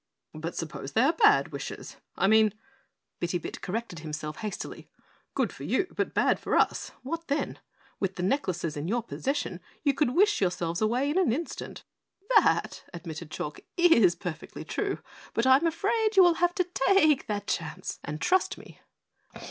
"But suppose they are bad wishes I mean," Bitty Bit corrected himself hastily, "good for you, but bad for us, what then? With the necklaces in your possession, you could wish yourselves away in an instant." "That," admitted Chalk, "is perfectly true, but I am afraid you will have to take that chance and trust me."